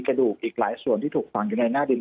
กระดูกอีกหลายส่วนที่ถูกฝังอยู่ในหน้าดิน